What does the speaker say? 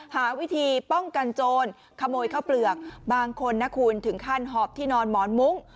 หาวิธีป้องกันโจรขโมยข้าวเปลือกบางคนนะคุณถึงขั้นหอบที่นอนหมอนมุ้ง